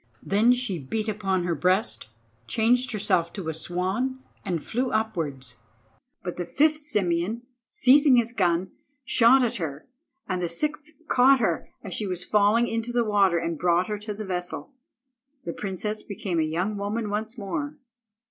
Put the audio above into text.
Then she beat upon her breast, changed herself to a swan, and flew upwards; but the fifth Simeon, seizing his gun, shot at her, and the sixth caught her as she was falling into the water and brought her to the vessel. The princess became a young woman once more.